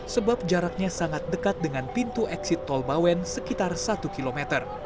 sebab jaraknya sangat dekat dengan pintu eksit tol bawen sekitar satu km